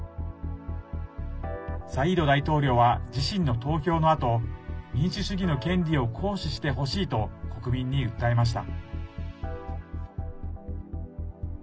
サイード大統領は自身の投票のあと民主主義の権利を行使してほしいと国民に訴えました。